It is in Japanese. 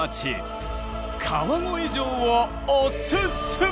川越城をおすすめ！